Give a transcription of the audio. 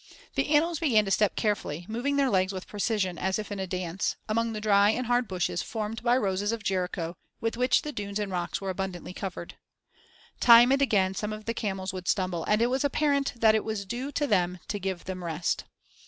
The animals began to step carefully, moving their legs with precision as if in a dance, among the dry and hard bushes formed by roses of Jericho with which the dunes and rocks were abundantly covered. Time and again some of the camels would stumble and it was apparent that it was due to them to give them rest.